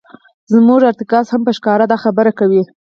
زموږ ارتکاز هم په ښکاره دا خبره کوي.